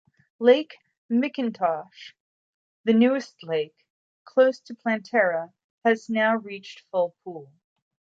Lake McIntosh, the newest lake, close to Planterra, has now reached full pool.